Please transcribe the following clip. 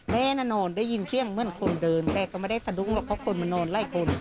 แน่นอนได้ยินเสียงเหมือนคนเดินแต่ก็ไม่ได้สะดุ้งหรอกเพราะคนมานอนไล่คน